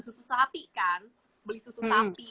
susu sapi kan beli susu sapi